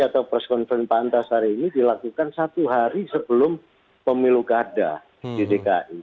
atau press conference pak antasari ini dilakukan satu hari sebelum pemilu kada di dki